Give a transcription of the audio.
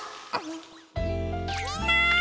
みんな！